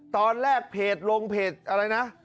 ตอนแรกเพจลงเพจอะไรนะ